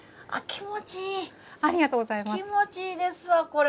気持ちいいですわこれ。